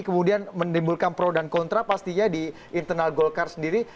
kemudian menimbulkan pro dan kontra pastinya di internal golkar sendiri